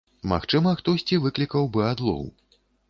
Магчыма, хтосьці выклікаў бы адлоў.